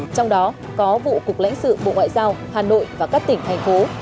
trong đó có vụ cục lãnh sự bộ ngoại giao hà nội và các tỉnh thành phố